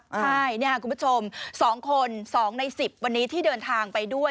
ใช่เนี่ยคุณผู้ชม๒คน๒ใน๑๐วันนี้ที่เดินทางไปด้วย